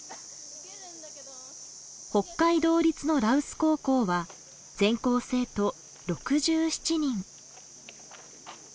北海道立の羅臼高校は全校生徒６７人。